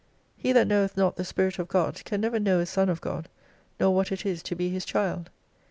He that knoweth not the Spirit of God, can never know a Son of God, nor what it is to be His child.